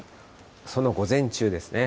その午前中ですね。